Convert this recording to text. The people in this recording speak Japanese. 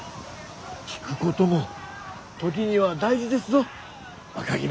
退くことも時には大事ですぞ若君。